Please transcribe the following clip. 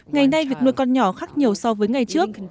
ngày nay việc nuôi con nhỏ khác nhiều so với ngày trước